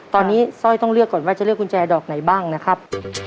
ตอนนี้สร้อยต้องเลือกก่อนว่าจะเลือกกุญแจดอกไหนบ้างนะครับ